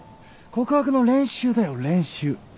告白の練習だよ練習。